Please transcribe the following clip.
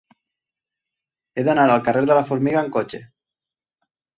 He d'anar al carrer de la Formiga amb cotxe.